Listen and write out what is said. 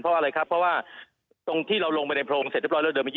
เพราะอะไรครับเพราะว่าตรงที่เราลงไปในโพรงเสร็จเรียบร้อยแล้วเดินไปกี